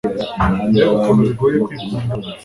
mbega ukuntu bigoye kwikunda